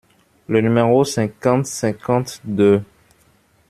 Le numéro cinquante-cinquante-deux.